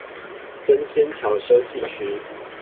登仙橋休憩區